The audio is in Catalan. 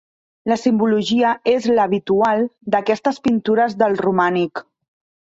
La simbologia és l'habitual d'aquestes pintures del romànic.